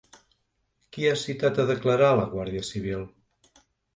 Qui ha citat a declarar la Guàrdia Civil?